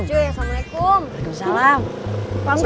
iya cuy assalamualaikum